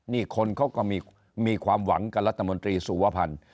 นี่คนเขาก็มีความหวังกับรัฐมนตรีสุวพันธ์